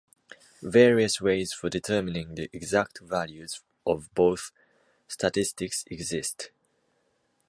Various ways for determining the exact values of both statistics exist.